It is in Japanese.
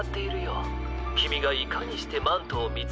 きみがいかにしてマントをみつけるかをね。